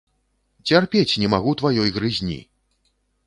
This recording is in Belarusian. Цярпець не магу тваёй грызні!